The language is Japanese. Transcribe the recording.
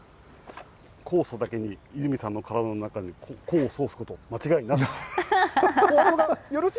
酵素だけに、泉さんの体の中に功を奏すこと、間違いなし。